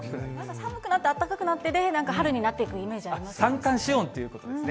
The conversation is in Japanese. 寒くなって、あったかくなってて、春になっていくイメージありますよね。